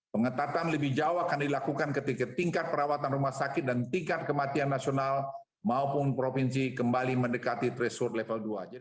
pengetatan lebih jauh akan dilakukan ketika tingkat perawatan rumah sakit dan tingkat kematian nasional maupun provinsi kembali mendekati threshold level dua